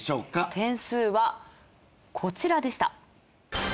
点数はこちらでした。